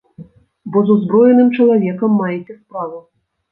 Бо з узброеным чалавекам маеце справу.